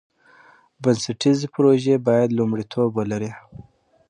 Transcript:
بنسټیزې پروژې باید لومړیتوب ولري.